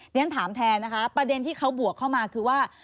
เรียนถามแทนนะคะประเด็นที่เขาบวกเข้ามาคือว่า